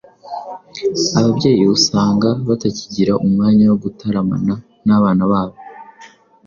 Ababyeyi usanga batakigira umwanya wo gutaramana n’abana babo